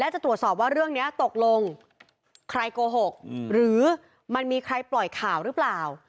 จะตรวจสอบว่าเรื่องนี้ตกลงใครโกหกหรือมันมีใครปล่อยข่าวหรือเปล่า